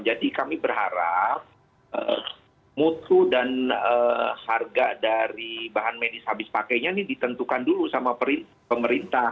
jadi kami berharap mutu dan harga dari bahan medis habis pakainya ini ditentukan dulu sama pemerintah